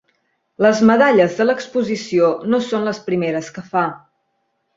Les medalles de l'Exposició no són les primeres que fa.